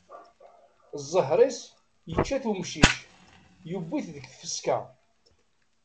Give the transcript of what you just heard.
Ẓẓher-is yečča-t umcic, yewwi-t deg tfesqa.